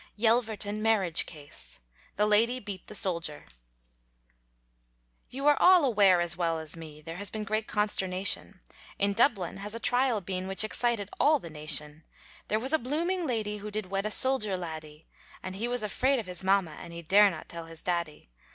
YELVERTON MARRIAGE CASE. THE LADY BEAT THE SOLDIER. You are all aware as well as me, There has been great consternation, In Dublin has a trial been Which excited all the nation; There was a blooming lady, who Did wed a soldier laddie, And he was afraid of his mamma, And he dare not tell his daddy.